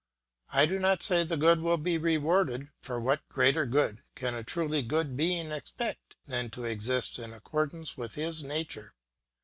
I do not say the good will be rewarded, for what greater good can a truly good being expect than to exist in accordance with his nature?